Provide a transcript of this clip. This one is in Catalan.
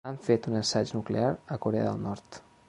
Han fet un assaig nuclear a Corea del Nord